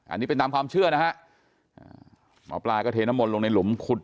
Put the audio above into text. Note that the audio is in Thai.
อันนี้เป็นตามความเชื่อนะฮะหมอปลาก็เทน้ำมนต์ลงในหลุมขุด